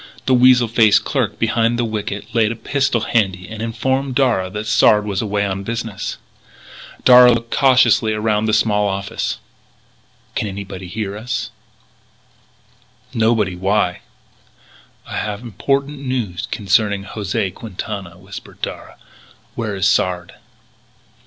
The weasel faced clerk behind the wicket laid a pistol handy and informed Darragh that Sard was away on a business trip. Darragh looked cautiously around the small office: "Can anybody hear us?" "Nobody. Why?" "I have important news concerning José Quintana," whispered Darragh; "Where is Sard?"